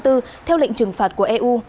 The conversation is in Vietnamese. theo lệnh trừng phạt của eu